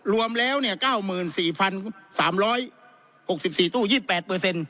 รวมแล้วเนี้ยเก้าหมื่นสี่พันสามร้อยหกสิบสี่ตู้ยี่แปดเปอร์เซ็นต์